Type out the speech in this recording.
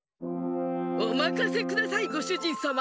おまかせくださいごしゅじんさま。